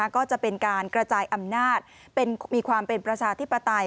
ก็จะเป็นการกระจายอำนาจมีความเป็นประชาธิปไตย